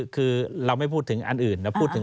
คือเราไม่พูดถึงอันอื่น